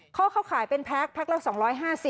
เขาเข้าขายเป็นแพ็กแพ็กเรา๒๕๐บาท